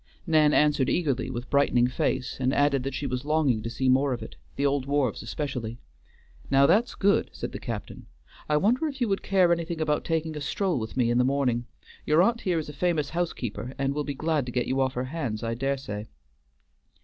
Nan answered eagerly with brightening face, and added that she was longing to see more of it; the old wharves especially. "Now that's good," said the captain; "I wonder if you would care anything about taking a stroll with me in the morning. Your aunt here is a famous housekeeper, and will be glad to get you off her hands, I dare say."